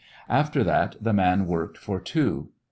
After that the man worked for two.